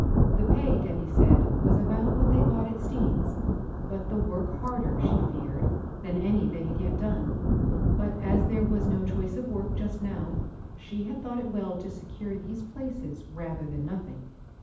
The pay, Debby said, was about what they got at Stean's ; but tibe work harder, she feared, than any they had yet done. But, as there was no choice of work just now, she had thought it well to secure these places rather than nothing.